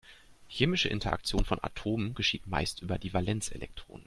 Chemische Interaktion von Atomen geschieht meist über die Valenzelektronen.